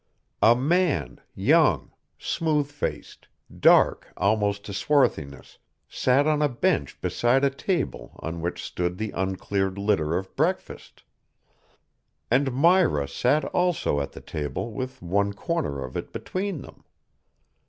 A man young, smooth faced, dark almost to swarthiness, sat on a bench beside a table on which stood the uncleared litter of breakfast. And Myra sat also at the table with one corner of it between them.